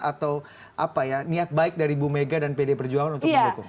atau niat baik dari bu mega dan pdi perjuangan untuk mendukung